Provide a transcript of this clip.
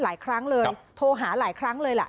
หลายครั้งเลยโทรหาหลายครั้งเลยล่ะ